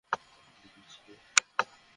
নিন, চিফ।